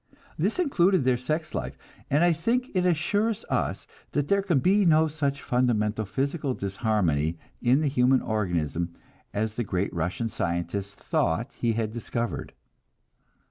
This included their sex life; and I think it assures us that there can be no such fundamental physical disharmony in the human organism as the great Russian scientist thought he had discovered.